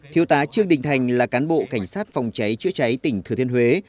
thiếu tá trương đình thành là cán bộ cảnh sát phòng cháy chữa cháy tỉnh thừa thiên huế